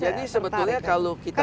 jadi sebetulnya kalau kita mau